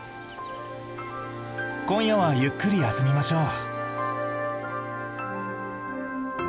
今夜はゆっくり休みましょう。